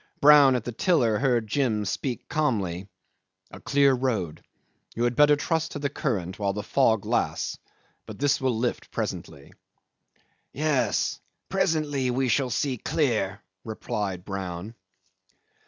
Brown at the tiller heard Jim speak calmly: "A clear road. You had better trust to the current while the fog lasts; but this will lift presently." "Yes, presently we shall see clear," replied Brown.